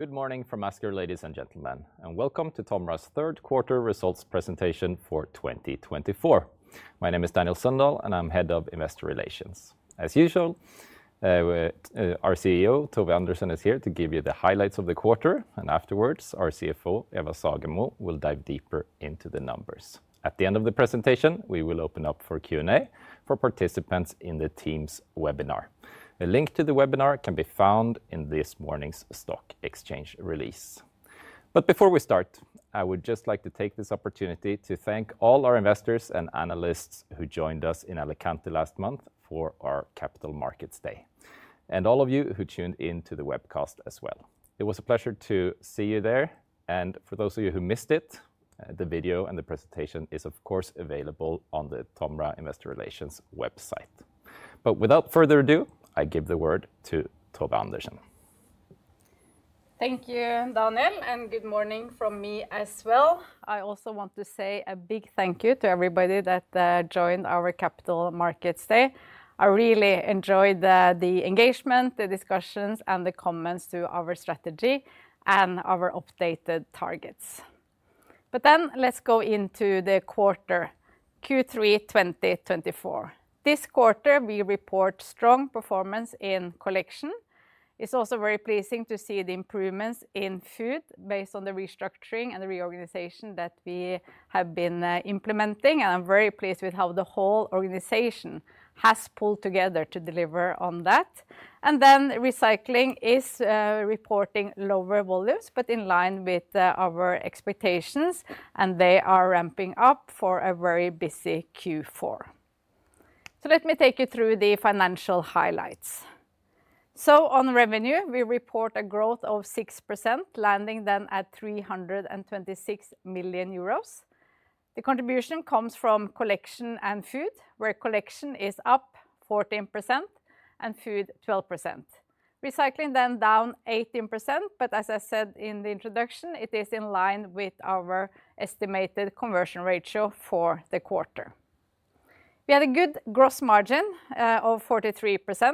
Good morning from Asker, ladies and gentlemen, and welcome to TOMRA's Third Quarter Results Presentation for 2024. My name is Daniel Sundahl, and I'm Head of Investor Relations. As usual, our CEO, Tove Andersen, is here to give you the highlights of the quarter, and afterwards, our CFO, Eva Sagemo, will dive deeper into the numbers. At the end of the presentation, we will open up for Q&A for participants in the Teams webinar. A link to the webinar can be found in this morning's stock exchange release. But before we start, I would just like to take this opportunity to thank all our investors and analysts who joined us in Alicante last month for our Capital Markets Day, and all of you who tuned in to the webcast as well. It was a pleasure to see you there, and for those of you who missed it, the video and the presentation is, of course, available on the TOMRA Investor Relations website. But without further ado, I give the word to Tove Andersen. Thank you, Daniel, and good morning from me as well. I also want to say a big thank you to everybody that joined our Capital Markets Day. I really enjoyed the engagement, the discussions, and the comments to our strategy and our updated targets. But then, let's go into the quarter, Q3 twenty twenty-four. This quarter, we report strong performance in collection. It's also very pleasing to see the improvements in food based on the restructuring and the reorganization that we have been implementing, and I'm very pleased with how the whole organization has pulled together to deliver on that. And then, Recycling is reporting lower volumes, but in line with our expectations, and they are ramping up for a very busy Q4. So let me take you through the financial highlights. On revenue, we report a growth of 6%, landing then at 326 million euros. The contribution comes from Collection and Food, where Collection is up 14% and Food, 12%. Recycling, then down 18%, but as I said in the introduction, it is in line with our estimated conversion ratio for the quarter. We had a good gross margin of 43%.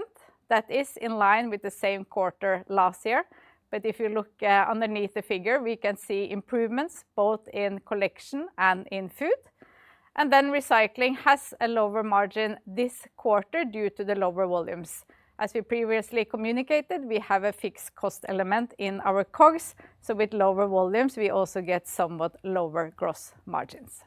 That is in line with the same quarter last year. But if you look underneath the figure, we can see improvements both in Collection and in Food. And then Recycling has a lower margin this quarter due to the lower volumes. As we previously communicated, we have a fixed cost element in our costs, so with lower volumes, we also get somewhat lower gross margins.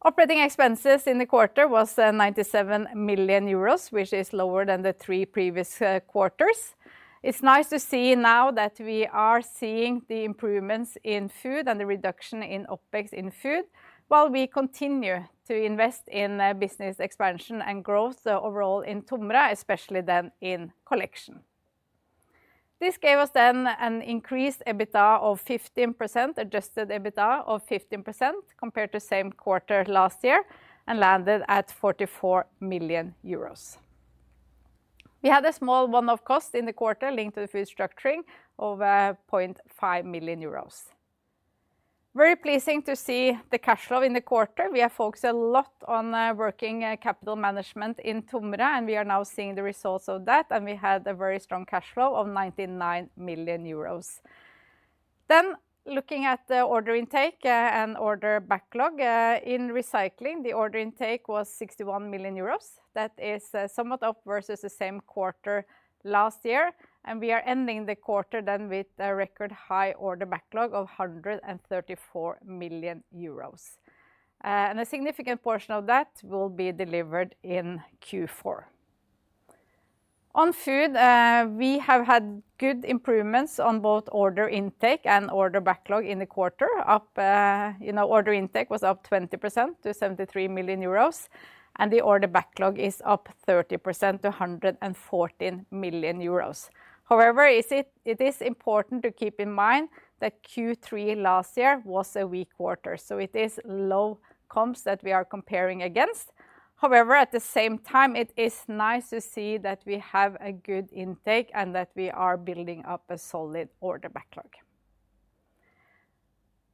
Operating expenses in the quarter was 97 million euros, which is lower than the three previous quarters. It's nice to see now that we are seeing the improvements in Food and the reduction in OpEx in Food, while we continue to invest in business expansion and growth, so overall in TOMRA, especially then in Collection. This gave us then an increased EBITDA of 15%, Adjusted EBITDA of 15%, compared to same quarter last year and landed at 44 million euros. We had a small one-off cost in the quarter linked to the Food structuring of 0.5 million euros. Very pleasing to see the cash flow in the quarter. We have focused a lot on working capital management in TOMRA, and we are now seeing the results of that, and we had a very strong cash flow of 99 million euros. Then, looking at the order intake, and order backlog, in Recycling, the order intake was 61 million euros. That is, somewhat up versus the same quarter last year, and we are ending the quarter then with a record high order backlog of 134 million euros. And a significant portion of that will be delivered in Q4. On Food, we have had good improvements on both order intake and order backlog in the quarter. Up, you know, order intake was up 20% to 73 million euros, and the order backlog is up 30% to 114 million euros. However, it is important to keep in mind that Q3 last year was a weak quarter, so it is low comps that we are comparing against. However, at the same time, it is nice to see that we have a good intake and that we are building up a solid order backlog.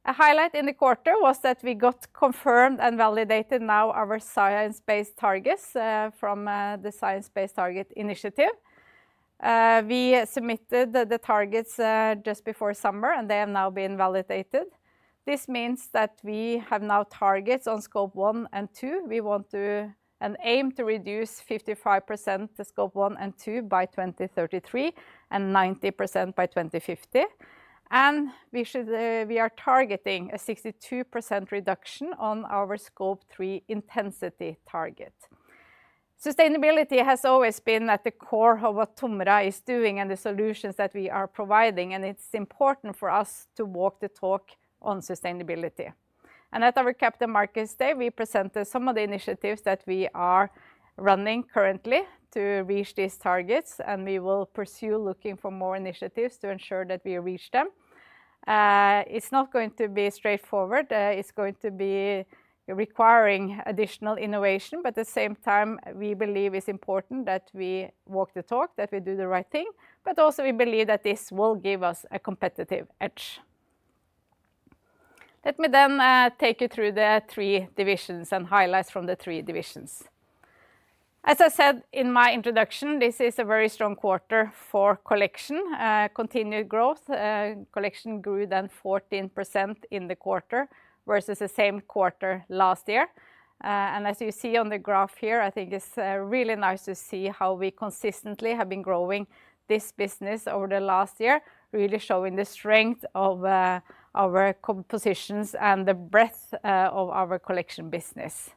A highlight in the quarter was that we got confirmed and validated now our science-based targets from the Science Based Targets initiative. We submitted the targets just before summer, and they have now been validated. This means that we have now targets on Scope 1 and 2. We want to and aim to reduce 55% the Scope 1 and 2 by 2033, and 90% by 2050. And we should, we are targeting a 62% reduction on our Scope 3 intensity target. Sustainability has always been at the core of what TOMRA is doing and the solutions that we are providing, and it's important for us to walk the talk on sustainability. And at our Capital Markets Day, we presented some of the initiatives that we are running currently to reach these targets, and we will pursue looking for more initiatives to ensure that we reach them. It's not going to be straightforward. It's going to be requiring additional innovation, but at the same time, we believe it's important that we walk the talk, that we do the right thing, but also we believe that this will give us a competitive edge. Let me then take you through the three divisions and highlights from the three divisions. As I said in my introduction, this is a very strong quarter for collection. Continued growth, collection grew than 14% in the quarter, versus the same quarter last year. And as you see on the graph here, I think it's really nice to see how we consistently have been growing this business over the last year, really showing the strength of our compositions and the breadth of our collection business.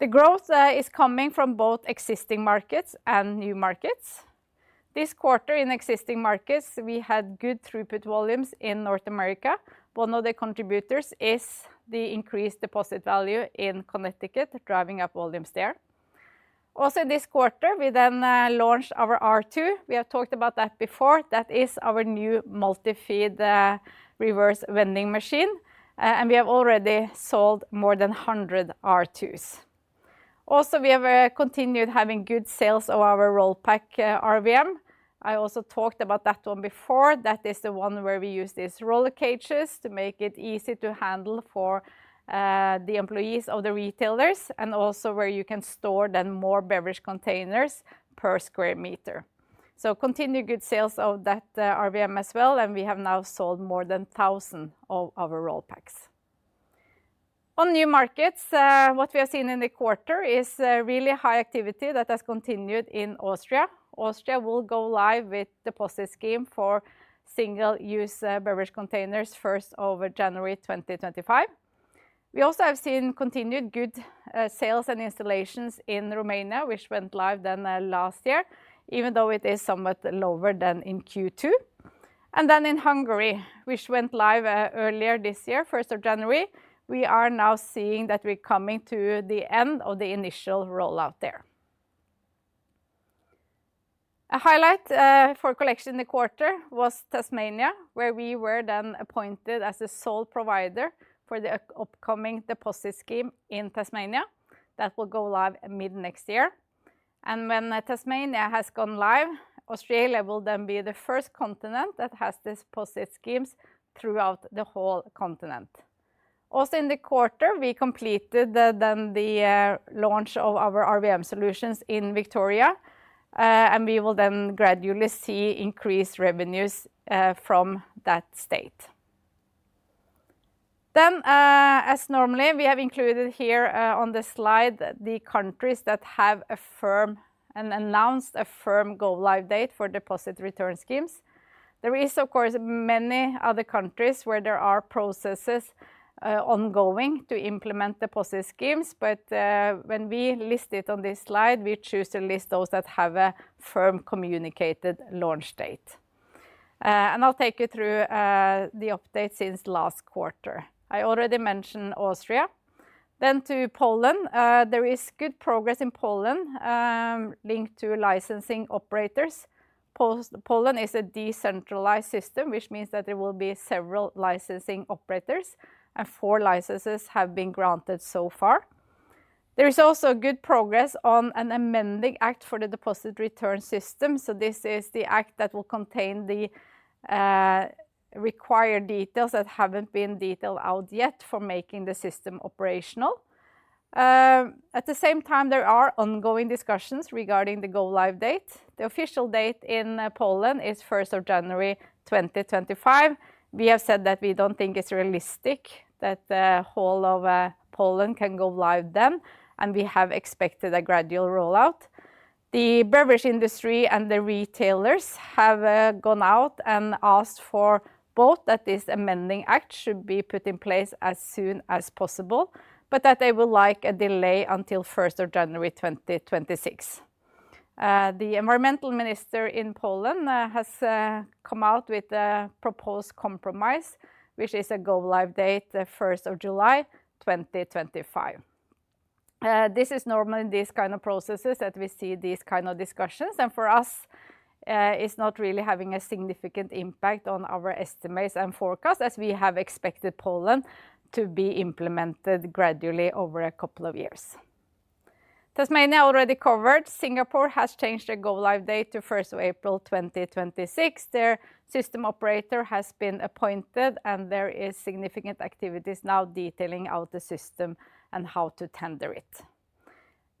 The growth is coming from both existing markets and new markets. This quarter, in existing markets, we had good throughput volumes in North America. One of the contributors is the increased deposit value in Connecticut, driving up volumes there. Also, this quarter, we then launched our R2. We have talked about that before. That is our new multi-feed reverse vending machine, and we have already sold more than 100 R2s. Also, we have continued having good sales of our RollPac RVM. I also talked about that one before. That is the one where we use these roller cages to make it easy to handle for, the employees of the retailers, and also where you can store then more beverage containers per square meter, so continued good sales of that, RVM as well, and we have now sold more than thousand of our RollPacs. On new markets, what we have seen in the quarter is, really high activity that has continued in Austria. Austria will go live with deposit scheme for single-use, beverage containers first over January 2025. We also have seen continued good, sales and installations in Romania, which went live then, last year, even though it is somewhat lower than in Q2. And then in Hungary, which went live earlier this year, 1st of January, we are now seeing that we're coming to the end of the initial rollout there. A highlight for collection in the quarter was Tasmania, where we were then appointed as the sole provider for the upcoming deposit scheme in Tasmania. That will go live mid-next year. And when Tasmania has gone live, Australia will then be the first continent that has deposit schemes throughout the whole continent. Also, in the quarter, we completed the launch of our RVM solutions in Victoria, and we will then gradually see increased revenues from that state. Then, as normally, we have included here on the slide, the countries that have announced a firm go-live date for deposit return schemes. There is, of course, many other countries where there are processes ongoing to implement deposit schemes, but when we list it on this slide, we choose to list those that have a firm communicated launch date, and I'll take you through the updates since last quarter. I already mentioned Austria, then to Poland. There is good progress in Poland, linked to licensing operators. Poland is a decentralized system, which means that there will be several licensing operators, and four licenses have been granted so far. There is also good progress on an amending act for the deposit return system, so this is the act that will contain the required details that haven't been detailed out yet for making the system operational. At the same time, there are ongoing discussions regarding the go-live date. The official date in Poland is 1st of January 2025. We have said that we don't think it's realistic that the whole of Poland can go live then, and we have expected a gradual rollout. The beverage industry and the retailers have gone out and asked for both, that this amending act should be put in place as soon as possible, but that they would like a delay until 1st of January 2026. The environmental minister in Poland has come out with a proposed compromise, which is a go-live date, the 1st of July 2025. This is normal in these kind of processes, that we see these kind of discussions, and for us it's not really having a significant impact on our estimates and forecasts, as we have expected Poland to be implemented gradually over a couple of years. Tasmania, already covered. Singapore has changed their go-live date to 1st of April 2026. Their system operator has been appointed, and there is significant activities now detailing out the system and how to tender it.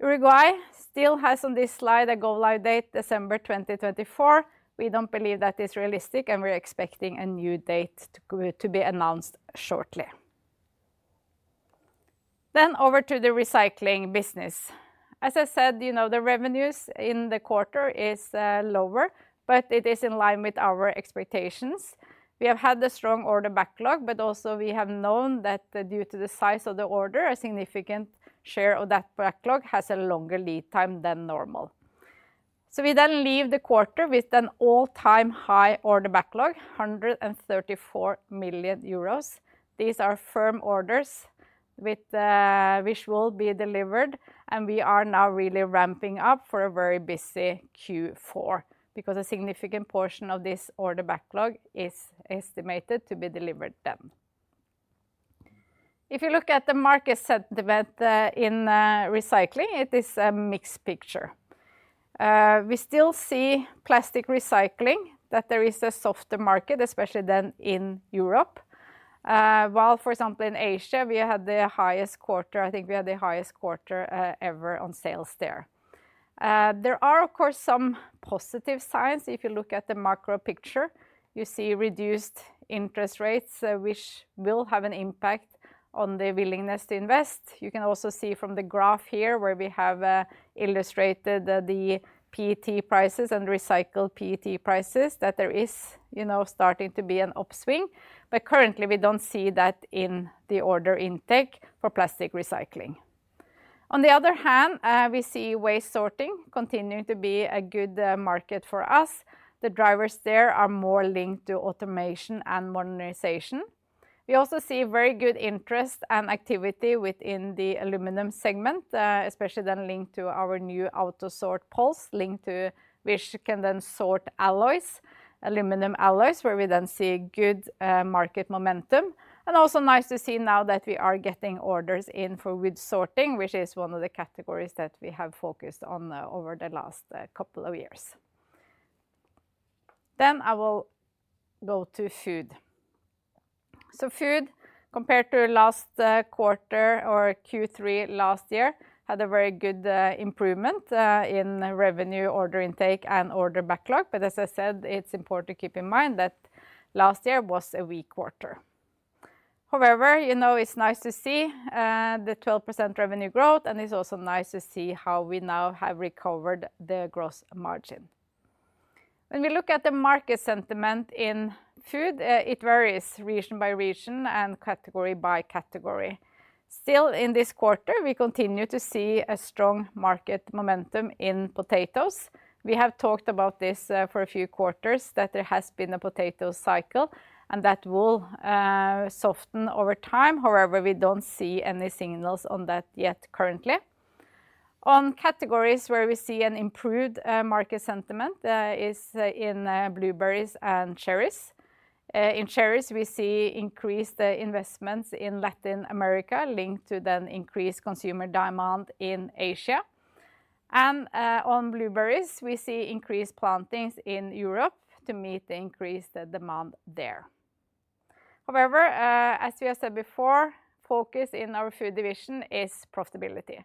Uruguay still has, on this slide, a go-live date December 2024. We don't believe that is realistic, and we're expecting a new date to to be announced shortly. Then over to the recycling business. As I said, you know, the revenues in the quarter is lower, but it is in line with our expectations. We have had a strong order backlog, but also we have known that due to the size of the order, a significant share of that backlog has a longer lead time than normal. So we then leave the quarter with an all-time high order backlog, 134 million euros These are firm orders with... which will be delivered, and we are now really ramping up for a very busy Q4, because a significant portion of this order backlog is estimated to be delivered then. If you look at the market sentiment in recycling, it is a mixed picture. We still see plastic recycling, that there is a softer market, especially than in Europe. While, for example, in Asia, we had the highest quarter, I think we had the highest quarter ever on sales there. There are, of course, some positive signs. If you look at the macro picture, you see reduced interest rates, which will have an impact on the willingness to invest. You can also see from the graph here, where we have illustrated the PET prices and recycled PET prices, that there is, you know, starting to be an upswing. But currently, we don't see that in the order intake for plastic recycling. On the other hand, we see waste sorting continuing to be a good market for us. The drivers there are more linked to automation and modernization. We also see very good interest and activity within the aluminum segment, especially then linked to our new AUTOSORT PULSE, linked to... Which can then sort alloys, aluminum alloys, where we then see good market momentum. And also nice to see now that we are getting orders in for wood sorting, which is one of the categories that we have focused on over the last couple of years. Then I will go to food. So food, compared to last quarter or Q3 last year, had a very good improvement in revenue, order intake, and order backlog. But as I said, it's important to keep in mind that last year was a weak quarter. However, you know, it's nice to see the 12% revenue growth, and it's also nice to see how we now have recovered the gross margin. When we look at the market sentiment in food, it varies region by region and category by category. Still, in this quarter, we continue to see a strong market momentum in potatoes. We have talked about this for a few quarters, that there has been a potato cycle, and that will soften over time. However, we don't see any signals on that yet currently. On categories where we see an improved market sentiment is in blueberries and cherries. In cherries, we see increased investments in Latin America linked to then increased consumer demand in Asia. On blueberries, we see increased plantings in Europe to meet the increased demand there. However, as we have said before, focus in our food division is profitability,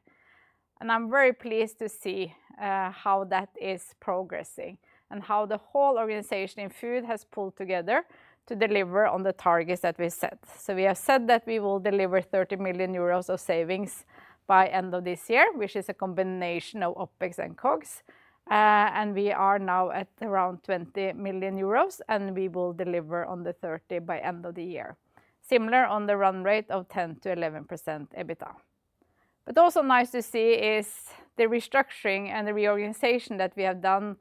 and I'm very pleased to see how that is progressing and how the whole organization in food has pulled together to deliver on the targets that we set. We have said that we will deliver 30 million euros of savings by end of this year, which is a combination of OpEx and COGS. And we are now at around 20 million euros, and we will deliver on the 30 by end of the year. Similar on the run rate of 10%-11% EBITDA. Also nice to see is the restructuring and the reorganization that we have done,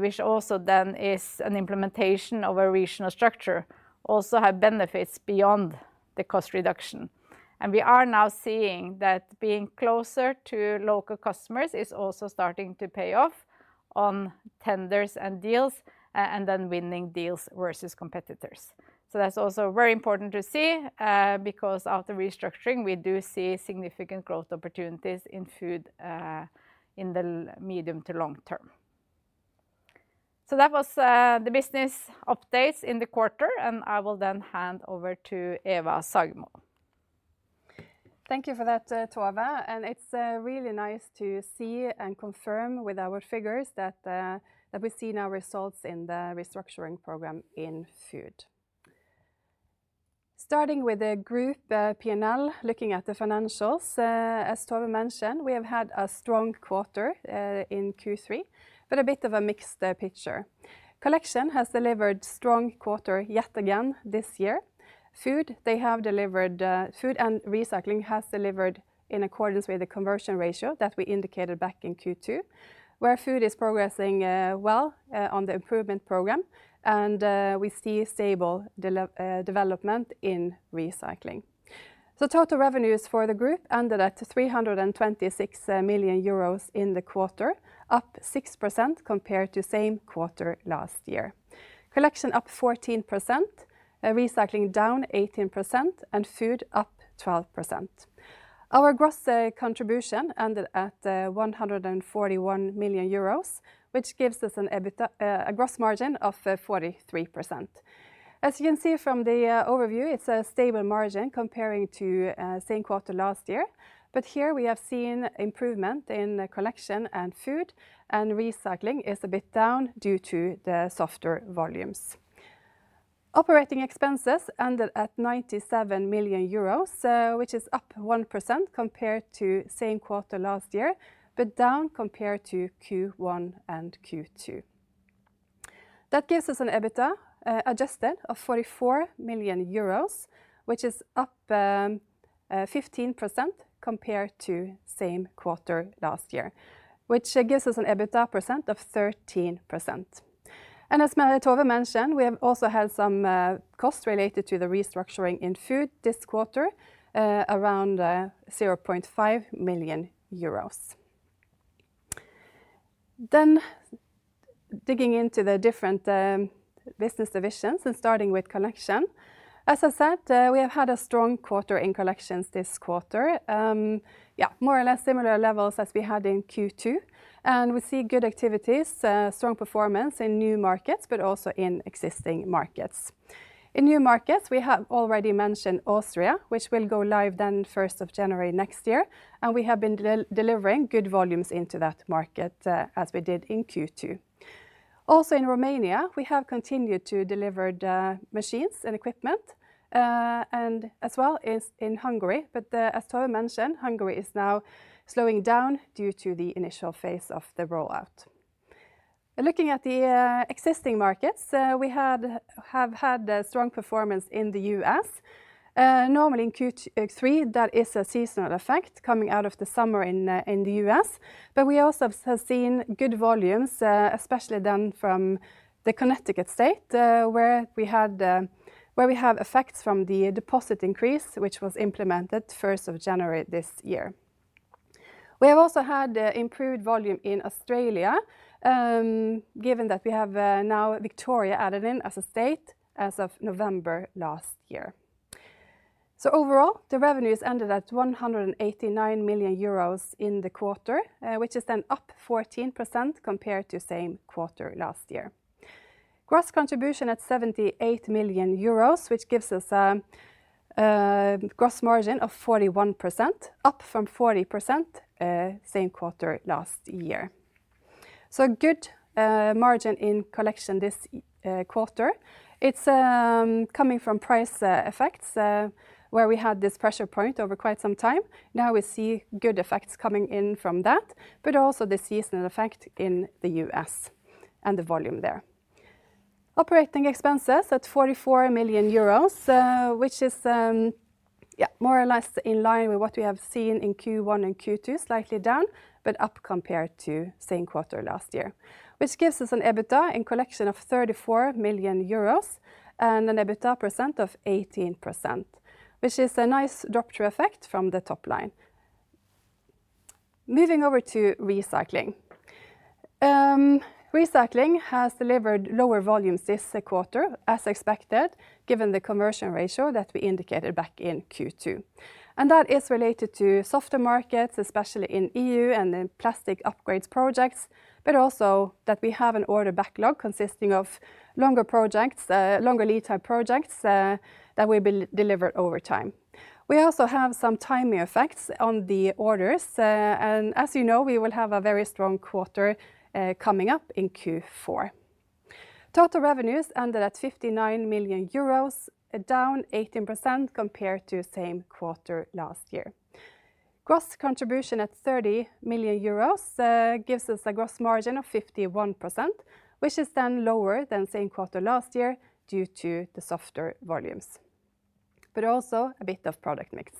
which also then is an implementation of a regional structure, also have benefits beyond the cost reduction. And we are now seeing that being closer to local customers is also starting to pay off on tenders and deals, and then winning deals versus competitors. So that's also very important to see, because of the restructuring, we do see significant growth opportunities in food, in the medium to long term. So that was the business updates in the quarter, and I will then hand over to Eva Sagemo. Thank you for that, Tove, and it's really nice to see and confirm with our figures that we see now results in the restructuring program in Food. Starting with the group, P&L, looking at the financials, as Tove mentioned, we have had a strong quarter in Q3, but a bit of a mixed picture. Collection has delivered strong quarter yet again this year. Food and Recycling has delivered in accordance with the conversion ratio that we indicated back in Q2, where Food is progressing well on the improvement program, and we see stable development in Recycling. So total revenues for the group ended at 326 million euros in the quarter, up 6% compared to same quarter last year. Collection up 14%, Recycling down 18%, and Food up 12%. Our gross contribution ended at 141 million euros, which gives us an EBITDA a gross margin of 43%. As you can see from the overview, it's a stable margin comparing to same quarter last year. But here we have seen improvement in Collection and Food, and Recycling is a bit down due to the softer volumes. Operating expenses ended at 97 million euros, which is up 1% compared to same quarter last year, but down compared to Q1 and Q2. That gives us an EBITDA Adjusted of 44 million euros, which is up 15% compared to same quarter last year, which gives us an EBITDA percent of 13%. And as Tove mentioned, we have also had some costs related to the restructuring in food this quarter around 0.5 million euros. Then Digging into the different business divisions, and starting with collection. As I said, we have had a strong quarter in collections this quarter. Yeah, more or less similar levels as we had in Q2, and we see good activities, strong performance in new markets, but also in existing markets. In new markets, we have already mentioned Austria, which will go live then 1st of January next year, and we have been delivering good volumes into that market, as we did in Q2. Also, in Romania, we have continued to deliver the machines and equipment, and as well as in Hungary. But, as Tove mentioned, Hungary is now slowing down due to the initial phase of the rollout. Looking at the existing markets, we have had a strong performance in the U.S. Normally in Q3, that is a seasonal effect coming out of the summer in the U.S., but we also have seen good volumes, especially then from the Connecticut state, where we have effects from the deposit increase, which was implemented 1st of January this year. We have also had improved volume in Australia, given that we have now Victoria added in as a state as of November last year. So overall, the revenues ended at 189 million euros in the quarter, which is then up 14% compared to same quarter last year. Gross contribution at 78 million euros, which gives us gross margin of 41%, up from 40% same quarter last year. So a good margin in collection this quarter. It's coming from price effects, where we had this pressure point over quite some time. Now, we see good effects coming in from that, but also the seasonal effect in the U.S. and the volume there. Operating expenses at 44 million euros, which is more or less in line with what we have seen in Q1 and Q2, slightly down, but up compared to same quarter last year, which gives us an EBITDA in collection of 34 million euros and an EBITDA percent of 18%, which is a nice drop-through effect from the top line. Moving over to recycling. Recycling has delivered lower volumes this quarter, as expected, given the conversion ratio that we indicated back in Q2, and that is related to softer markets, especially in EU and in plastic upgrades projects, but also that we have an order backlog consisting of longer projects, longer lead time projects, that will be delivered over time. We also have some timing effects on the orders, and as you know, we will have a very strong quarter, coming up in Q4. Total revenues ended at 59 million euros, down 18% compared to same quarter last year. Gross contribution at 30 million euros gives us a gross margin of 51%, which is then lower than same quarter last year due to the softer volumes, but also a bit of product mix.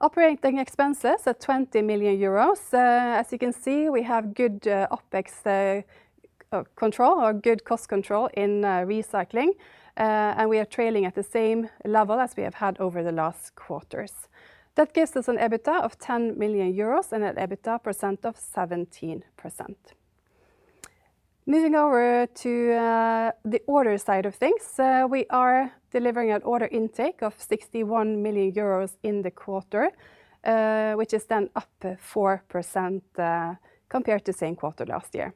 Operating expenses at 20 million euros. As you can see, we have good OpEx control or good cost control in recycling, and we are trailing at the same level as we have had over the last quarters. That gives us an EBITDA of 10 million euros and an EBITDA percent of 17%. Moving over to the order side of things, we are delivering an order intake of 61 million euros in the quarter, which is then up 4% compared to same quarter last year.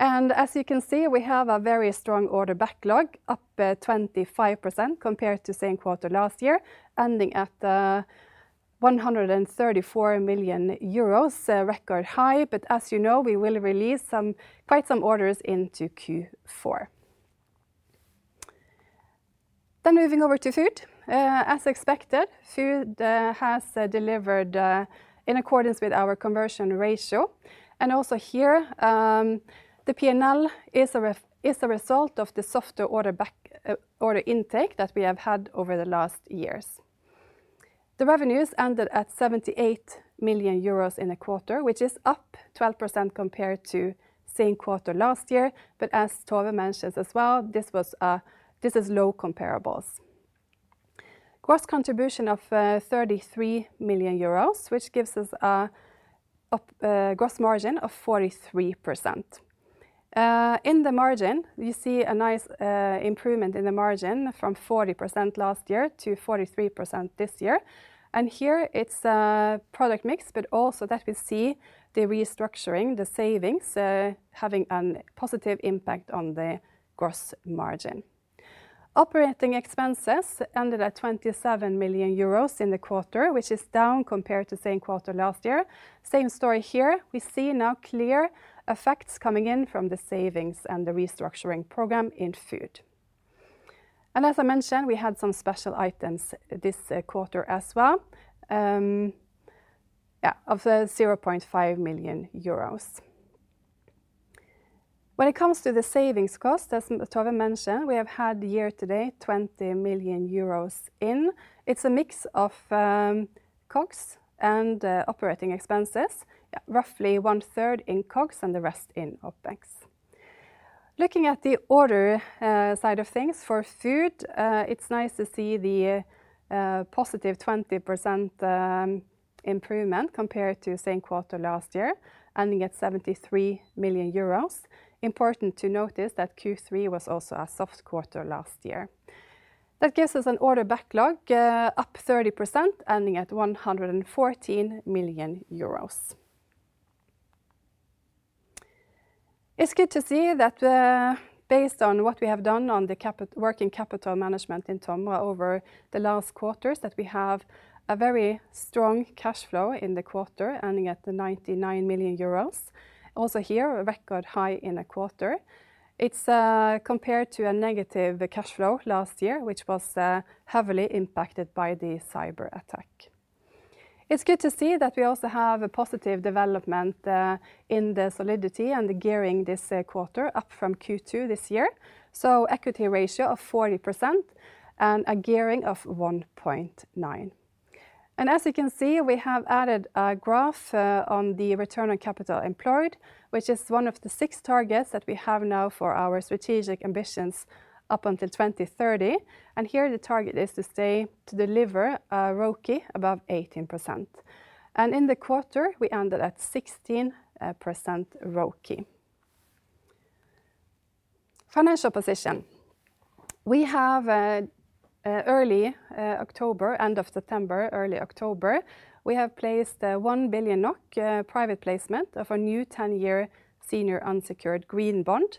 And as you can see, we have a very strong order backlog, up 25% compared to same quarter last year, ending at 134 million euros, a record high. But as you know, we will release quite some orders into Q4. Then moving over to food. As expected, food has delivered in accordance with our conversion ratio, and also here, the P&L is a result of the softer order backlog, order intake that we have had over the last years. The revenues ended at 78 million euros in the quarter, which is up 12% compared to same quarter last year, but as Tove mentioned as well, this was, this is low comparables. Gross contribution of 33 million euros, which gives us a gross margin of 43%. In the margin, we see a nice improvement in the margin from 40% last year to 43% this year, and here it's a product mix, but also that we see the restructuring, the savings having a positive impact on the gross margin. Operating expenses ended at 27 million euros in the quarter, which is down compared to same quarter last year. Same story here, we see now clear effects coming in from the savings and the restructuring program in food, and as I mentioned, we had some special items this quarter as well, of 0.5 million euros. When it comes to the savings cost, as Tove mentioned, we have had year-to-date 20 million euros in. It's a mix of COGS and operating expenses. Roughly one-third in COGS and the rest in OpEx. Looking at the order side of things for food, it's nice to see the positive 20% improvement compared to same quarter last year, ending at 73 million euros. Important to notice that Q3 was also a soft quarter last year. That gives us an order backlog up 30%, ending at 114 million euros. It's good to see that, based on what we have done on the working capital management in TOMRA over the last quarters, that we have a very strong cash flow in the quarter, ending at 99 million euros. Also here, a record high in a quarter. It's compared to a negative cash flow last year, which was heavily impacted by the cyber attack. It's good to see that we also have a positive development in the solidity and the gearing this quarter, up from Q2 this year, so equity ratio of 40% and a gearing of 1.9. As you can see, we have added a graph on the return on capital employed, which is one of the six targets that we have now for our strategic ambitions up until 2030. Here the target is to stay, to deliver ROCE above 18%. In the quarter, we ended at 16% ROCE. Financial position. End of September, early October, we have placed EUR 1 billion private placement of a new 10-year senior unsecured green bond,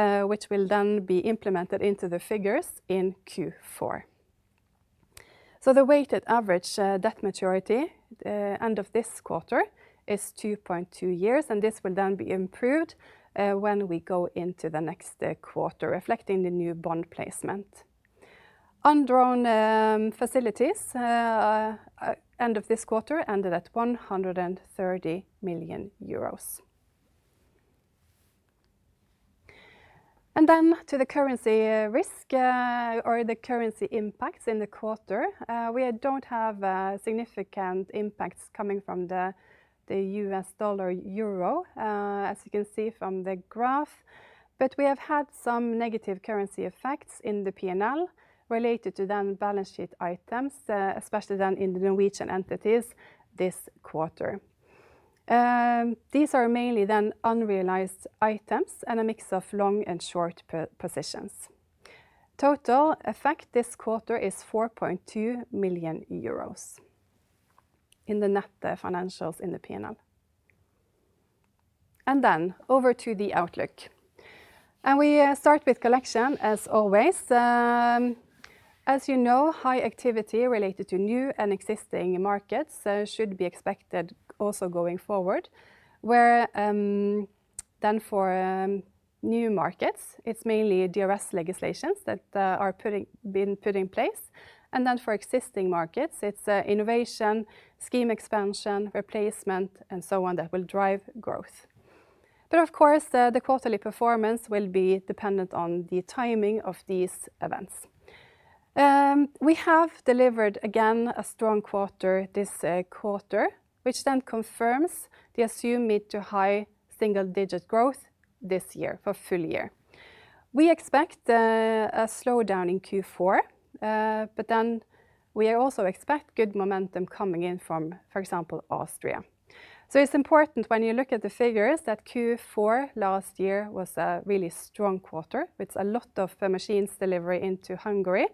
which will then be implemented into the figures in Q4. So the weighted average debt maturity, end of this quarter, is 2.2 years, and this will then be improved when we go into the next quarter, reflecting the new bond placement. Undrawn facilities end of this quarter ended at 130 million euros. Then to the currency risk or the currency impacts in the quarter. We don't have significant impacts coming from the U.S. dollar/euro as you can see from the graph, but we have had some negative currency effects in the P&L related to then balance sheet items, especially then in the Norwegian entities this quarter. These are mainly then unrealized items and a mix of long and short positions. Total effect this quarter is 4.2 million euros in the net financials in the P&L. Then over to the outlook. We start with collection, as always. As you know, high activity related to new and existing markets should be expected also going forward, where then for new markets, it's mainly DRS legislations that have been put in place. And then for existing markets, it's innovation, scheme expansion, replacement, and so on, that will drive growth. But of course, the quarterly performance will be dependent on the timing of these events. We have delivered, again, a strong quarter this quarter, which then confirms the assumed mid-to-high single-digit growth this year, for full year. We expect a slowdown in Q4, but then we also expect good momentum coming in from, for example, Austria. It's important when you look at the figures that Q4 last year was a really strong quarter, with a lot of machines delivery into Hungary,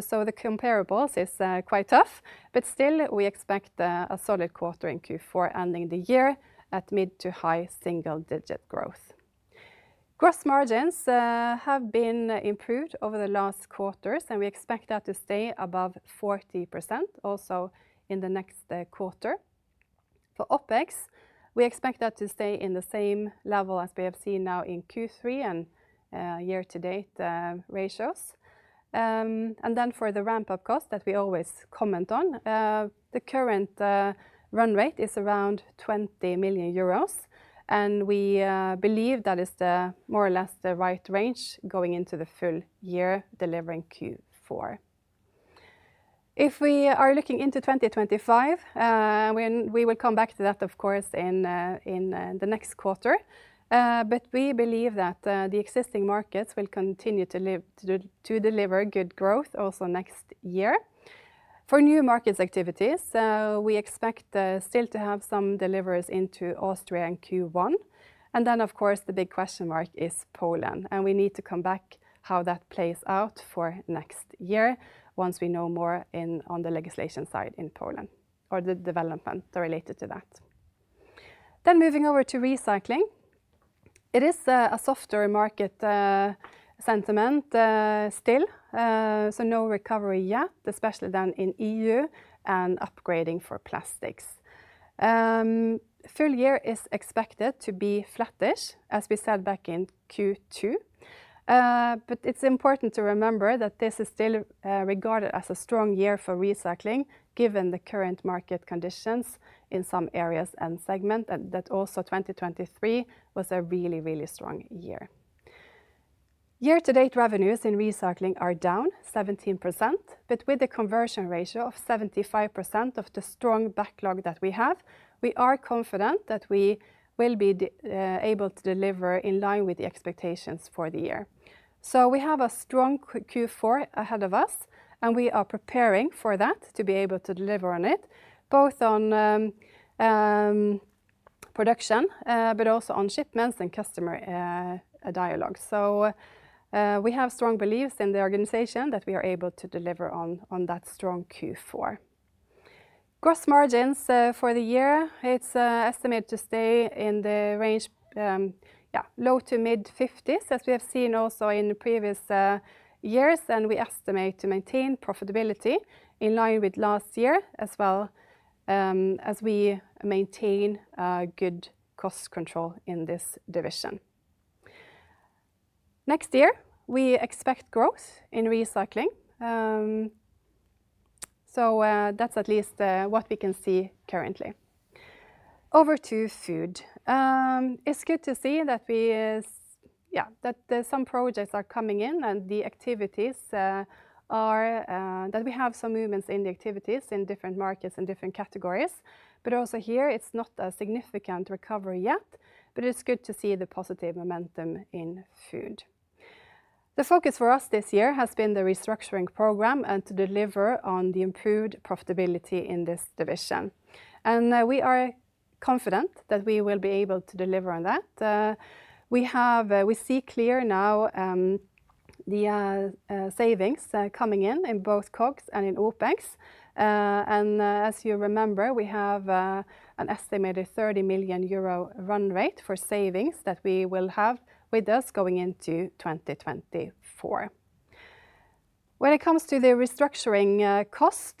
so the comparables is quite tough. But still, we expect a solid quarter in Q4, ending the year at mid-to-high single-digit growth. Gross margins have been improved over the last quarters, and we expect that to stay above 40% also in the next quarter. For OpEx, we expect that to stay in the same level as we have seen now in Q3 and year-to-date ratios. And then for the ramp-up cost that we always comment on, the current run rate is around 20 million euros, and we believe that is the more or less the right range going into the full year, delivering Q4. If we are looking into twenty twenty-five, when we will come back to that, of course, in the next quarter, but we believe that the existing markets will continue to deliver good growth also next year. For new markets activities, we expect still to have some deliveries into Austria in Q1. Of course, the big question mark is Poland, and we need to come back how that plays out for next year once we know more on the legislation side in Poland or the development related to that. Moving over to recycling. It is a softer market sentiment still, so no recovery yet, especially in the EU and upgrading for plastics. Full year is expected to be flattish, as we said back in Q2, but it's important to remember that this is still regarded as a strong year for recycling, given the current market conditions in some areas and segment, that also twenty twenty-three was a really, really strong year. Year-to-date revenues in recycling are down 17%, but with a conversion ratio of 75% of the strong backlog that we have, we are confident that we will be able to deliver in line with the expectations for the year. So we have a strong Q4 ahead of us, and we are preparing for that, to be able to deliver on it, both on production, but also on shipments and customer dialogue. We have strong beliefs in the organization that we are able to deliver on that strong Q4. Gross margins for the year, it's estimated to stay in the range, yeah, low to mid-50s, as we have seen also in the previous years, and we estimate to maintain profitability in line with last year, as well, as we maintain good cost control in this division. Next year, we expect growth in recycling. That's at least what we can see currently. Over to food. It's good to see that there's some projects are coming in, and the activities are that we have some movements in the activities in different markets and different categories. But also here, it's not a significant recovery yet, but it's good to see the positive momentum in food. The focus for us this year has been the restructuring program and to deliver on the improved profitability in this division, and we are confident that we will be able to deliver on that. We see clear now the savings coming in in both COGS and in OpEx. And as you remember, we have an estimated 30 million euro run rate for savings that we will have with us going into 2024. When it comes to the restructuring cost,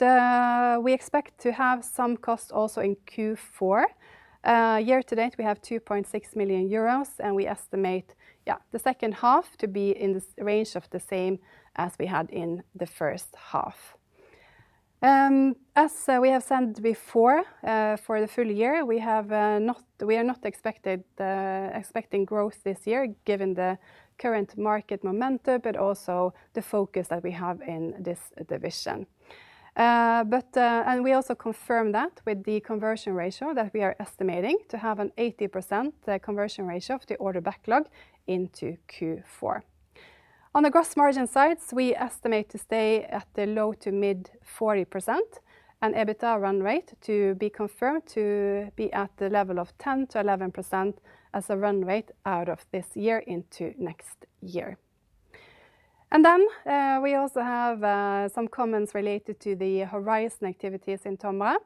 we expect to have some cost also in Q4. Year to date, we have 2.6 million euros, and we estimate the second half to be in the range of the same as we had in the first half. As we have said before, for the full year, we are not expecting growth this year, given the current market momentum, but also the focus that we have in this division. We also confirm that with the conversion ratio, that we are estimating to have an 80% conversion ratio of the order backlog into Q4. On the gross margin sides, we estimate to stay at the low to mid-40%, and EBITDA run rate to be confirmed to be at the level of 10%-11% as a run rate out of this year into next year. We also have some comments related to the Horizon activities in TOMRA.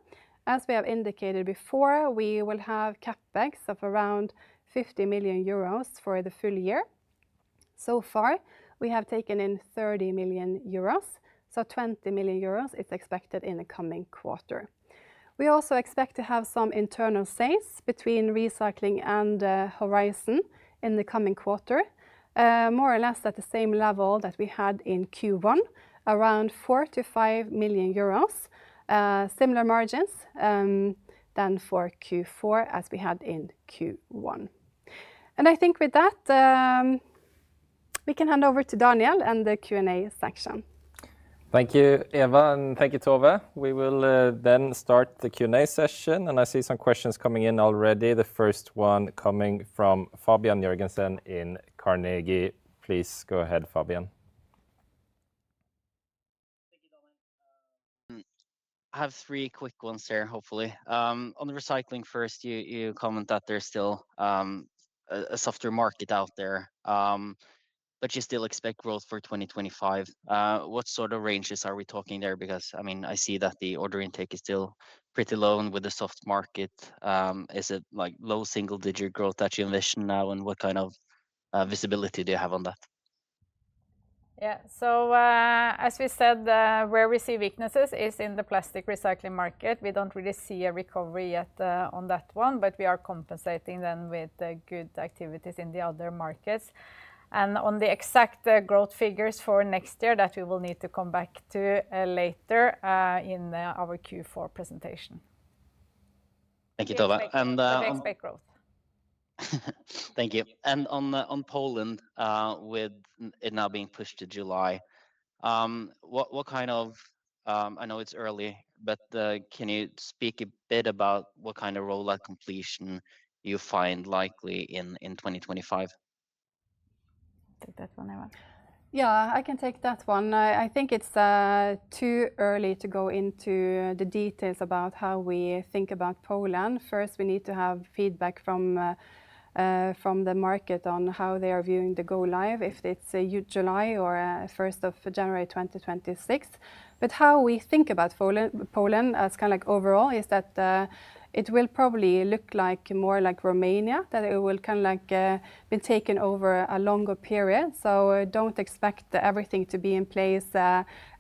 As we have indicated before, we will have CapEx of around 50 million euros for the full year. So far, we have taken in 30 million euros, so 20 million euros is expected in the coming quarter. We also expect to have some internal sales between recycling and Horizon in the coming quarter, more or less at the same level that we had in Q1, around 4-5 million euros. Similar margins than for Q4 as we had in Q1. And I think with that, we can hand over to Daniel and the Q&A section. Thank you, Eva, and thank you, Tove. We will then start the Q&A session, and I see some questions coming in already. The first one coming from Fabian Jørgensen in Carnegie. Please go ahead, Fabian. Thank you, Daniel. I have three quick ones here, hopefully. On the recycling first, you comment that there's still a softer market out there, but you still expect growth for 2025. What sort of ranges are we talking there? Because, I mean, I see that the order intake is still pretty low and with a soft market, is it, like, low single-digit growth that you envision now, and what kind of visibility do you have on that? Yeah. So, as we said, where we see weaknesses is in the plastic recycling market. We don't really see a recovery yet, on that one, but we are compensating then with the good activities in the other markets. And on the exact growth figures for next year, that we will need to come back to later in our Q4 presentation. Thank you, Tove. And, But we expect growth. Thank you. And on Poland, with it now being pushed to July, I know it's early, but can you speak a bit about what kind of rollout completion you find likely in 2025? Take that one, Eva. Yeah, I can take that one. I think it's too early to go into the details about how we think about Poland. First, we need to have feedback from the market on how they are viewing the go-live, if it's July or 1st of January 2026. But how we think about Poland, as kind of, like, overall, is that it will probably look more like Romania, that it will kind of like be taken over a longer period. So don't expect everything to be in place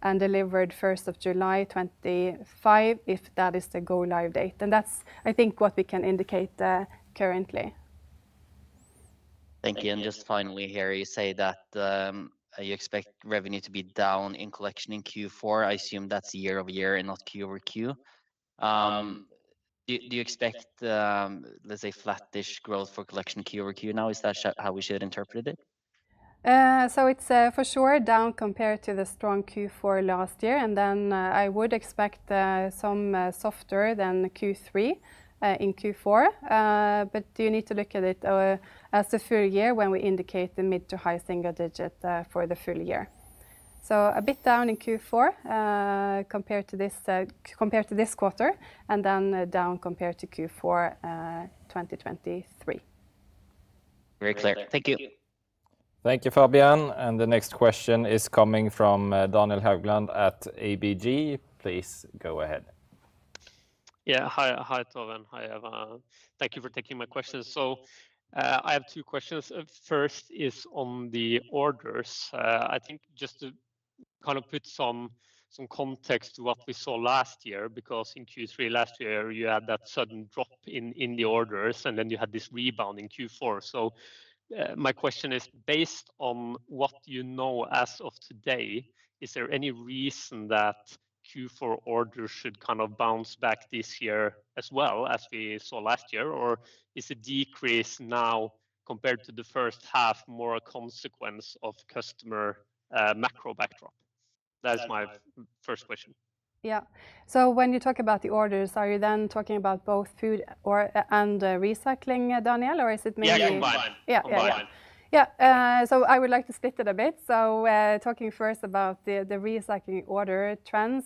and delivered 1st of July 2025, if that is the go-live date. And that's, I think, what we can indicate currently. Thank you. And just finally here, you say that you expect revenue to be down in collection in Q4. I assume that's year-over-year and not Q-over-Q. Do you expect, let's say, flattish growth for collection Q over Q now? Is that how we should interpret it? So it's for sure down compared to the strong Q4 last year, and then I would expect some softer than the Q3 in Q4. But you need to look at it as a full year when we indicate the mid- to high-single-digit for the full year. So a bit down in Q4 compared to this quarter, and then down compared to Q4 2023. Very clear. Thank you. Thank you, Fabian. And the next question is coming from, Daniel Haugland at ABG. Please go ahead. Yeah, hi. Hi, Tove. Hi, Eva. Thank you for taking my question. So, I have two questions. First is on the orders. I think just to kind of put some context to what we saw last year, because in Q3 last year, you had that sudden drop in the orders, and then you had this rebound in Q4. So, my question is, based on what you know as of today, is there any reason that Q4 orders should kind of bounce back this year as well, as we saw last year? Or is the decrease now, compared to the first half, more a consequence of customer macro backdrop? That is my first question. Yeah. So when you talk about the orders, are you then talking about both food and recycling, Daniel, or is it mainly- Yeah, yeah, combined. Yeah. Combined. Yeah, so I would like to split it a bit. So, talking first about the recycling order trends,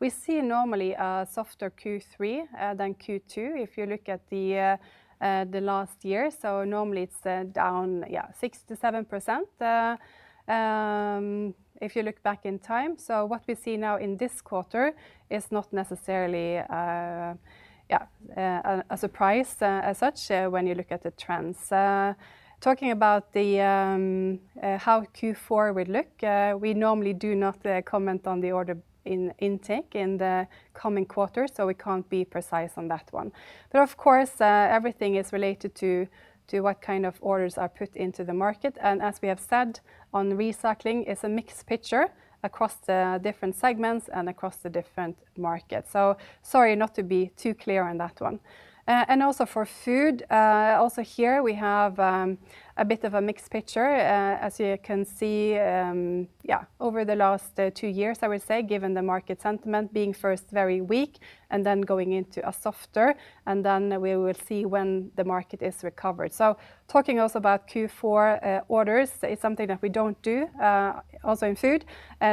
we see normally a softer Q3 than Q2, if you look at the last year. So normally it's down, yeah, 6%-7%, if you look back in time. So what we see now in this quarter is not necessarily yeah a surprise, as such, when you look at the trends. Talking about how Q4 will look, we normally do not comment on the order intake in the coming quarter, so we can't be precise on that one. But of course, everything is related to what kind of orders are put into the market. As we have said, on recycling, it's a mixed picture across the different segments and across the different markets. Sorry not to be too clear on that one. Also for food, also here, we have a bit of a mixed picture. As you can see, yeah, over the last two years, I would say, given the market sentiment being first very weak and then going into a softer, and then we will see when the market is recovered. Talking also about Q4 orders is something that we don't do also in food,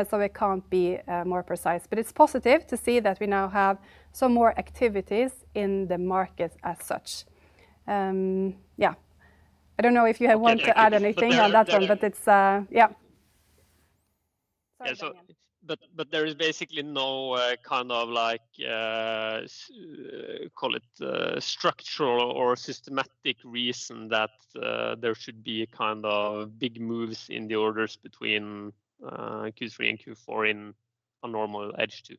so we can't be more precise. It's positive to see that we now have some more activities in the market as such. Yeah. I don't know if you want to add anything on that one, but it's... Yeah. Yeah, so But there is basically no kind of like call it structural or systematic reason that there should be a kind of big moves in the orders between Q3 and Q4 in a normal H2?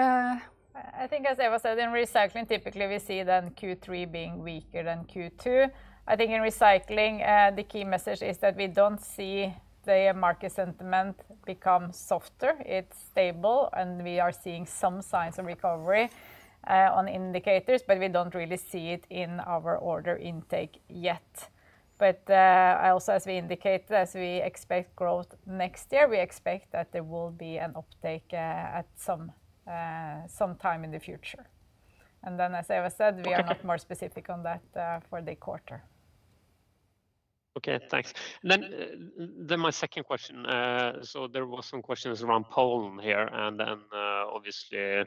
I think as Eva said, in recycling, typically we see then Q3 being weaker than Q2. I think in recycling, the key message is that we don't see the market sentiment become softer. It's stable, and we are seeing some signs of recovery on indicators, but we don't really see it in our order intake yet. But also, as we indicated, as we expect growth next year, we expect that there will be an uptake at some time in the future. And then as Eva said we are not more specific on that, for the quarter. Okay, thanks. Then my second question. So there was some questions around Poland here, and then, obviously,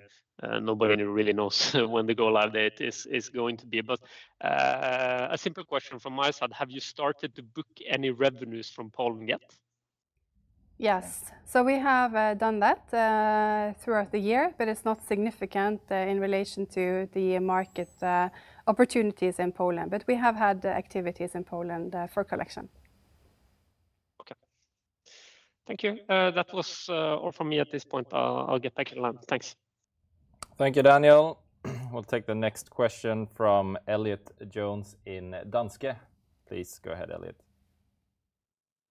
nobody really knows when the go-live date is going to be. But a simple question from my side, have you started to book any revenues from Poland yet? Yes, so we have done that throughout the year, but it's not significant in relation to the market opportunities in Poland, but we have had activities in Poland for collection. Okay. Thank you. That was all from me at this point. I'll get back in line. Thanks. Thank you, Daniel. We'll take the next question from Elliott Jones in Danske. Please go ahead, Elliott.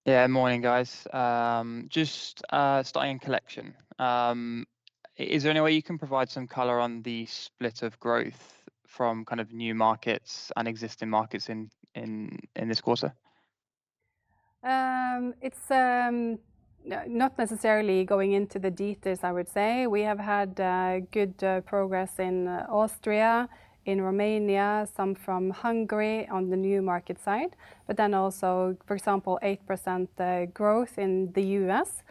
Yeah, morning, guys. Just starting in Collection, is there any way you can provide some color on the split of growth from kind of new markets and existing markets in this quarter? It's not necessarily going into the details, I would say. We have had good progress in Austria, in Romania, some from Hungary on the new market side, but then also, for example, 8% growth in the US,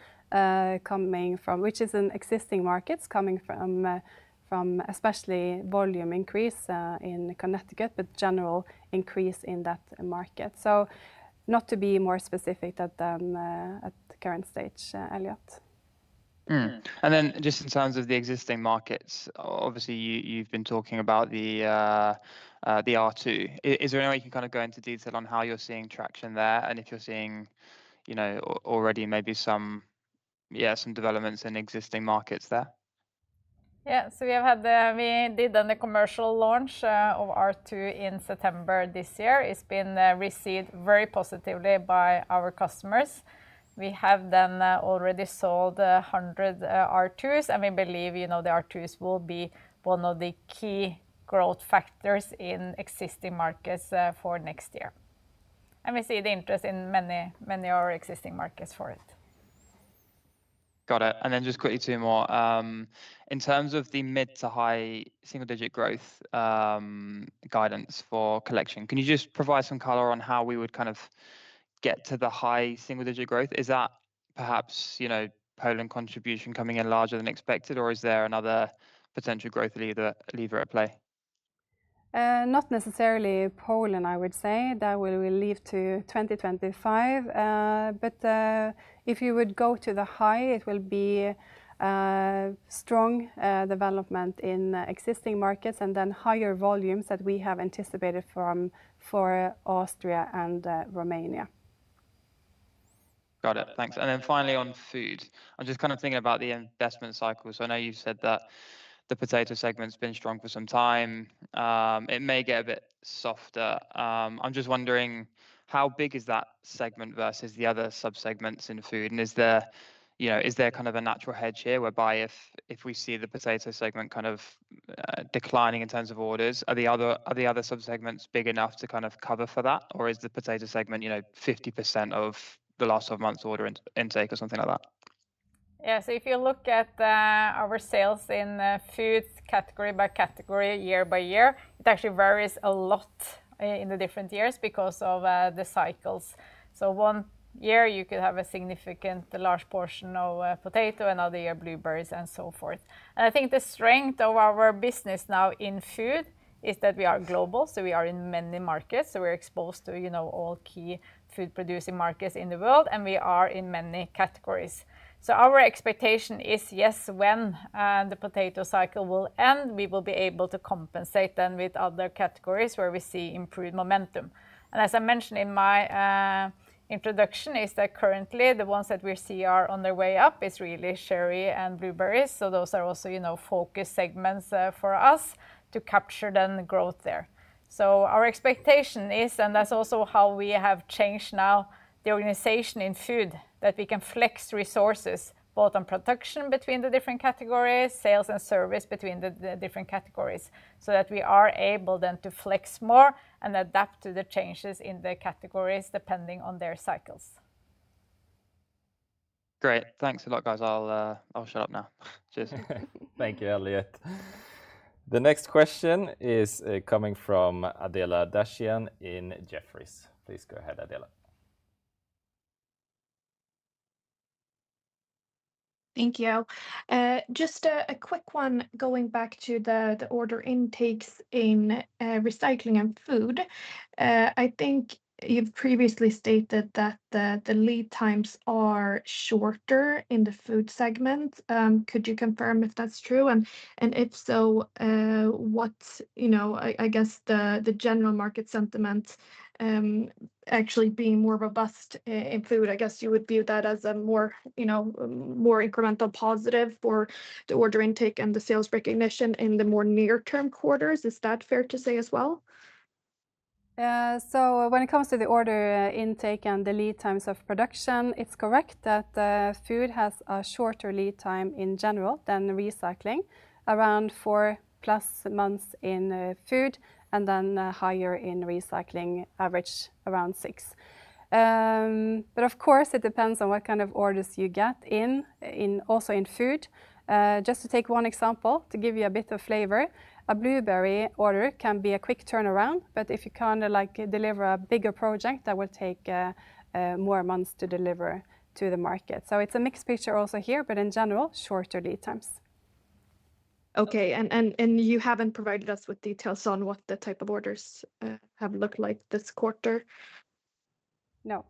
coming from... Which is in existing markets, coming from, from especially volume increase in Connecticut, but general increase in that market. So not to be more specific than at the current stage, Elliott. And then just in terms of the existing markets, obviously, you, you've been talking about the R2. Is there any way you can kind of go into detail on how you're seeing traction there, and if you're seeing, you know, already maybe some, yeah, some developments in existing markets there? Yeah. We did then the commercial launch of R2 in September this year. It's been received very positively by our customers. We have then already sold 100 R2s, and we believe, you know, the R2s will be one of the key growth factors in existing markets for next year, and we see the interest in many, many of our existing markets for it. Got it. And then just quickly, two more. In terms of the mid to high single-digit growth guidance for collection, can you just provide some color on how we would kind of get to the high single-digit growth? Is that perhaps, you know, Poland contribution coming in larger than expected, or is there another potential growth lever at play? Not necessarily Poland, I would say. That will we leave to 2025, but if you would go to the high, it will be strong development in existing markets, and then higher volumes that we have anticipated for Austria and Romania. Got it. Thanks. And then finally, on food, I'm just kind of thinking about the investment cycle. So I know you've said that the potato segment's been strong for some time. It may get a bit softer. I'm just wondering, how big is that segment versus the other sub-segments in food? And is there, you know, is there kind of a natural hedge here, whereby if we see the potato segment kind of declining in terms of orders, are the other sub-segments big enough to kind of cover for that? Or is the potato segment, you know, 50% of the last 12 months' order intake or something like that? Yeah. So if you look at our sales in food, category by category, year by year, it actually varies a lot in the different years because of the cycles. So one year you could have a significant, large portion of potato, another year blueberries, and so forth. And I think the strength of our business now in food is that we are global, so we are in many markets. So we're exposed to, you know, all key food-producing markets in the world, and we are in many categories. So our expectation is, yes, when the potato cycle will end, we will be able to compensate then with other categories where we see improved momentum. As I mentioned in my introduction, what is currently the ones that we see are on their way up is really cherry and blueberries, so those are also, you know, focus segments for us to capture the growth there. Our expectation is, and that is also how we have changed now the organization in food, that we can flex resources, both on production between the different categories, sales and service between the different categories, so that we are able then to flex more and adapt to the changes in the categories, depending on their cycles. Great. Thanks a lot, guys. I'll shut up now. Cheers. Thank you, Elliott. The next question is coming from Adela Dashian in Jefferies. Please go ahead, Adela. Thank you. Just a quick one, going back to the order intakes in recycling and food. I think you've previously stated that the lead times are shorter in the food segment. Could you confirm if that's true? If so, what. You know, I guess the general market sentiment actually being more robust in food, I guess you would view that as a more, you know, more incremental positive for the order intake and the sales recognition in the more near-term quarters. Is that fair to say as well? So when it comes to the order intake and the lead times of production, it's correct that food has a shorter lead time in general than recycling, around four-plus months in food, and then higher in recycling, average around six. But of course, it depends on what kind of orders you get in, also in food. Just to take one example, to give you a bit of flavor, a blueberry order can be a quick turnaround, but if you kind of, like, deliver a bigger project, that will take more months to deliver to the market. So it's a mixed picture also here, but in general, shorter lead times. Okay, and you haven't provided us with details on what the type of orders have looked like this quarter? No.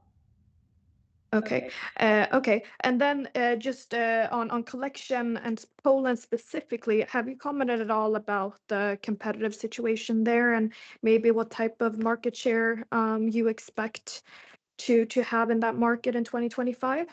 Okay. Okay, and then, just, on collection and Poland specifically, have you commented at all about the competitive situation there, and maybe what type of market share you expect to have in that market in 2025?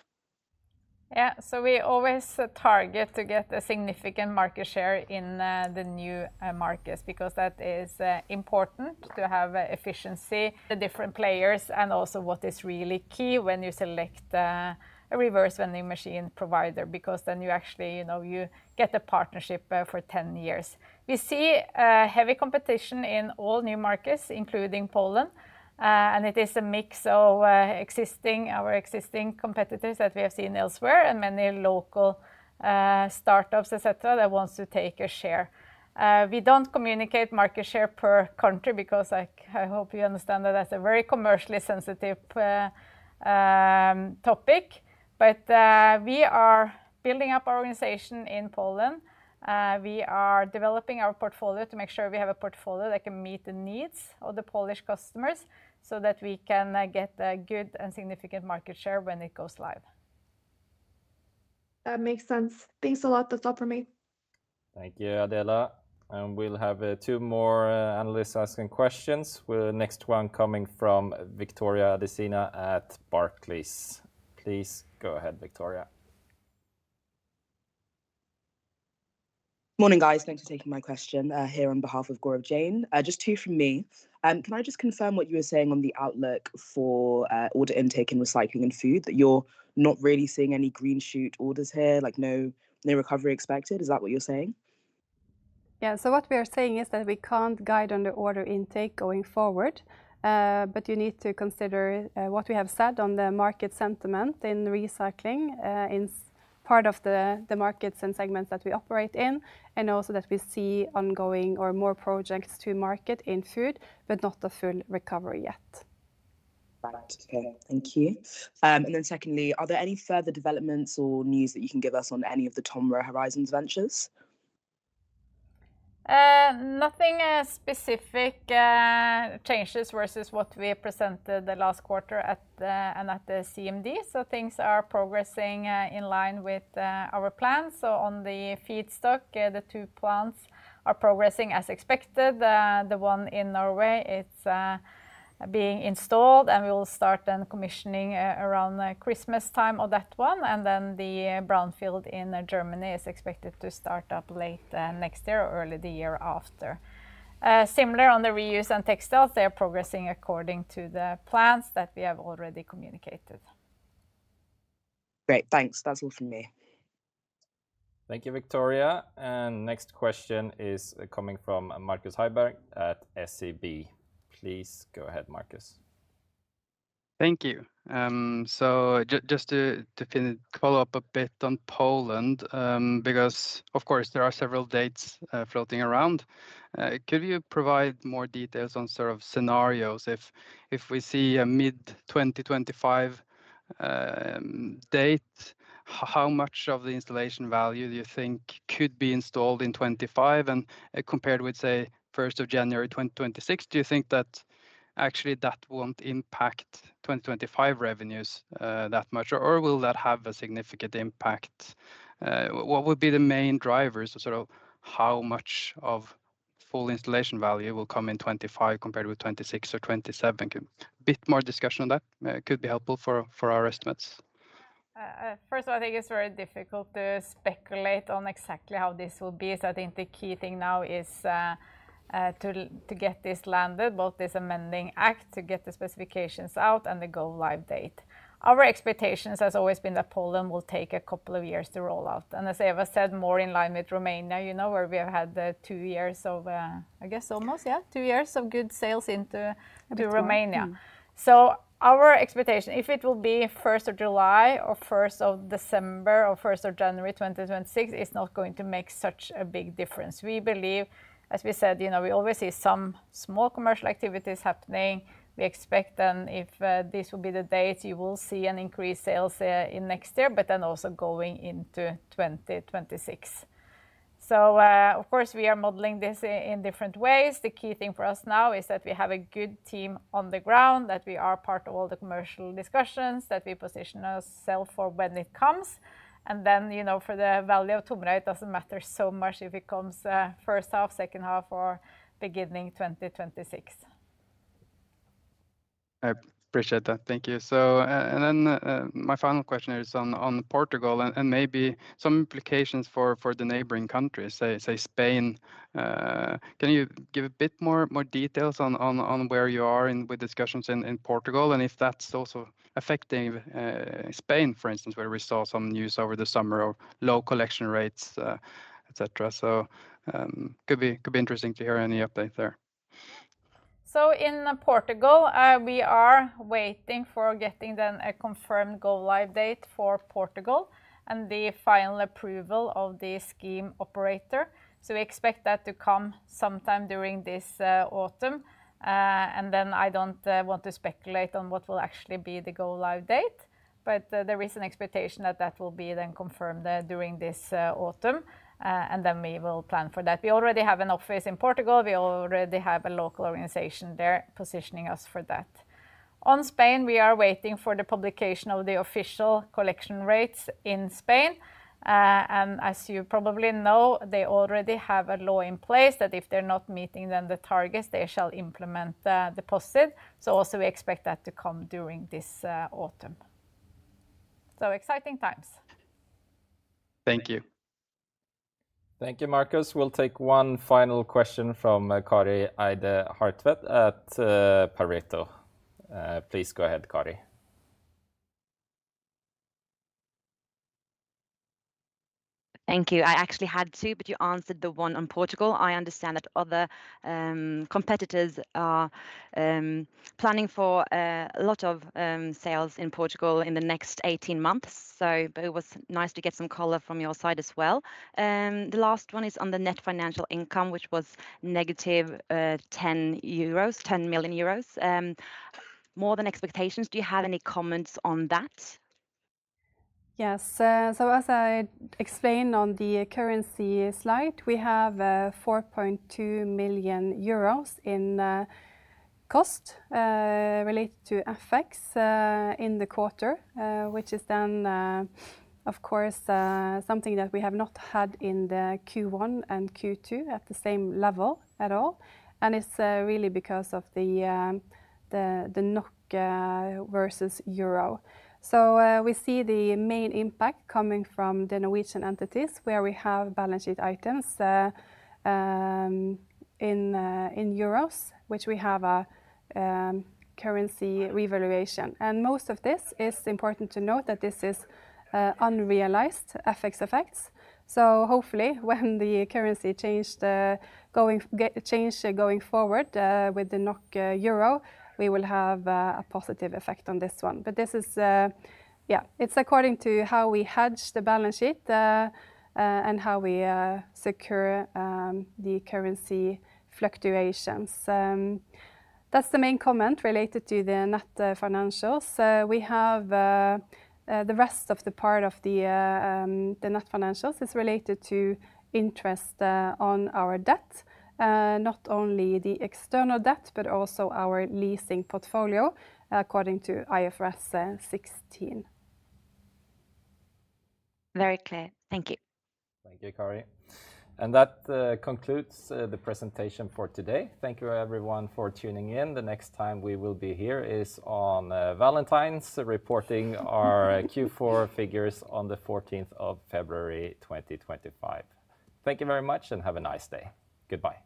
Yeah, so we always set target to get a significant market share in the new markets, because that is important to have efficiency, the different players, and also what is really key when you select a reverse vending machine provider, because then you actually, you know, you get a partnership for 10 years. We see heavy competition in all new markets, including Poland, and it is a mix of existing, our existing competitors that we have seen elsewhere, and many local startups, et cetera, that wants to take a share. We don't communicate market share per country because, like, I hope you understand that that's a very commercially sensitive topic. But we are building up our organization in Poland. We are developing our portfolio to make sure we have a portfolio that can meet the needs of the Polish customers, so that we can get a good and significant market share when it goes live. That makes sense. Thanks a lot. That's all for me. Thank you, Adela, and we'll have two more analysts asking questions, with the next one coming from Victoria Adesina at Barclays. Please go ahead, Victoria. Morning, guys. Thanks for taking my question here on behalf of Gaurav Jain. Just two from me. Can I just confirm what you were saying on the outlook for order intake in recycling and food, that you're not really seeing any green shoot orders here? Like, no, no recovery expected, is that what you're saying? Yeah, so what we are saying is that we can't guide on the order intake going forward. But you need to consider what we have said on the market sentiment in recycling, in part of the markets and segments that we operate in, and also that we see ongoing or more projects to market in food, but not a full recovery yet. Right. Okay, thank you. And then secondly, are there any further developments or news that you can give us on any of the TOMRA Horizon's ventures? Nothing specific changes versus what we presented the last quarter at the, and at the CMD. Things are progressing in line with our plans. On the feedstock, the two plants are progressing as expected. The one in Norway, it's being installed, and we will start then commissioning around Christmas time on that one, and then the brownfield in Germany is expected to start up late next year or early the year after. Similar on the reuse and textiles, they're progressing according to the plans that we have already communicated. Great, thanks. That's all from me. Thank you, Victoria. Next question is coming from Markus Heiberg at SEB. Please go ahead, Marcus. Thank you. So just to follow up a bit on Poland, because, of course, there are several dates floating around. Could you provide more details on sort of scenarios if we see a mid-2025 date, how much of the installation value do you think could be installed in 2025? And compared with, say, 1st of January 2026, do you think that actually that won't impact 2025 revenues that much, or will that have a significant impact? What would be the main drivers of sort of how much of full installation value will come in 2025 compared with 2026 or 2027? A bit more discussion on that could be helpful for our estimates. First of all, I think it's very difficult to speculate on exactly how this will be. So I think the key thing now is to get this landed, both this amending act, to get the specifications out and the go-live date. Our expectations has always been that Poland will take a couple of years to roll out. And as Eva said, more in line with Romania, you know, where we have had the two years of good sales into Romania. So our expectation, if it will be 1st of July or 1st of December or 1st of January 2026, is not going to make such a big difference. We believe, as we said, you know, we always see some small commercial activities happening. We expect then, if this will be the date, you will see an increased sales in next year, but then also going into 2026. So, of course, we are modeling this in different ways. The key thing for us now is that we have a good team on the ground, that we are part of all the commercial discussions, that we position ourselves for when it comes. And then, you know, for the value of TOMRA, it doesn't matter so much if it comes first half, second half, or beginning 2026. I appreciate that. Thank you. So and then, my final question is on Portugal and maybe some implications for the neighboring countries, say, Spain. Can you give a bit more details on where you are in with discussions in Portugal, and if that's also affecting Spain, for instance, where we saw some news over the summer of low collection rates, et cetera? So, could be interesting to hear any update there. So in Portugal, we are waiting for getting then a confirmed go-live date for Portugal and the final approval of the scheme operator. So we expect that to come sometime during this autumn. And then I don't want to speculate on what will actually be the go-live date, but there is an expectation that that will be then confirmed during this autumn, and then we will plan for that. We already have an office in Portugal. We already have a local organization there positioning us for that. On Spain, we are waiting for the publication of the official collection rates in Spain. And as you probably know, they already have a law in place that if they're not meeting then the targets, they shall implement the deposit. So also we expect that to come during this autumn. Exciting times. Thank you. Thank you, Marcus. We'll take one final question from Kari Eide Hartvedt at Pareto. Please go ahead, Kari. Thank you. I actually had two, but you answered the one on Portugal. I understand that other competitors are planning for a lot of sales in Portugal in the next 18 months. So but it was nice to get some color from your side as well. The last one is on the net financial income, which was negative 10 million euros more than expectations. Do you have any comments on that? Yes. So as I explained on the currency slide, we have 4.2 million euros in cost related to FX in the quarter, which is then, of course, something that we have not had in the Q1 and Q2 at the same level at all. And it's really because of the NOK versus euro. So we see the main impact coming from the Norwegian entities, where we have balance sheet items in euros, which we have a currency revaluation. And most of this, it's important to note that this is unrealized FX effects. So hopefully, when the currency change, the going get changed going forward, with the NOK/EUR, we will have a positive effect on this one. But this is, yeah, it's according to how we hedge the balance sheet, and how we secure the currency fluctuations. That's the main comment related to the net financials. We have the rest of the part of the net financials is related to interest on our debt. Not only the external debt, but also our leasing portfolio, according to IFRS 16. Very clear. Thank you. Thank you, Kari. And that concludes the presentation for today. Thank you everyone for tuning in. The next time we will be here is on Valentine's, reporting our Q4 figures on the 14th of February 2025. Thank you very much, and have a nice day. Goodbye.